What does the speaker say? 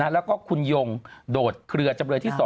แล้วก็คุณยงโดดเครือจำเลยที่๒